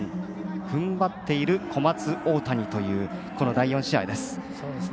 ふんばっている小松大谷というこの第４試合です。